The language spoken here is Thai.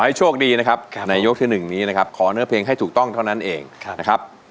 ให้โชคดีนะครับในยกที่๑นี้นะครับขอเนื้อเพลงให้ถูกต้องเท่านั้นเองนะครับ